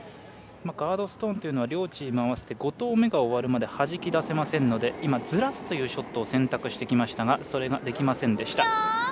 ガードストーンというのは両チーム合わせて５投目が終わるまではじき出せませんので今、ずらすショットを選択してきましたがそれができませんでした。